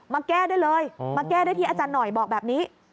มาแก้ได้เลยมาแก้ได้ที่อาจารย์หน่อยบอกแบบนี้